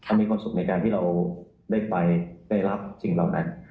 มีความสุขในการที่เราได้ไปได้รับสิ่งเหล่านั้น